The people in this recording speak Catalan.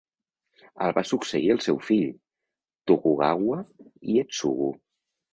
El va succeir el seu fill, Tokugawa Ietsugu.